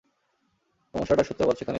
সমস্যাটার সূত্রপাত সেখানেই।